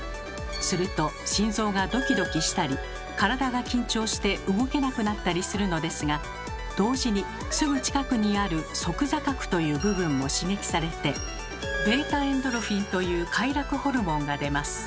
すると心臓がドキドキしたり体が緊張して動けなくなったりするのですが同時にすぐ近くにある「側坐核」という部分も刺激されて「βエンドルフィン」という快楽ホルモンが出ます。